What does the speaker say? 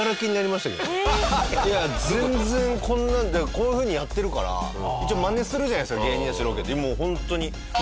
いや全然こんなんこういうふうにやってるから一応マネするじゃないですか芸人だしロケで。